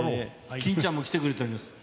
欽ちゃんも来てくれてるんです。